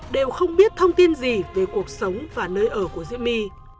đều không biết thông tin gì về cuộc sống và nơi ở của diễm my